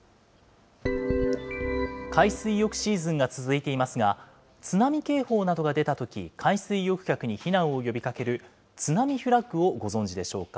海水浴シーズンが続いていますが、津波警報などが出たとき、海水浴客に避難を呼びかける津波フラッグをご存じでしょうか。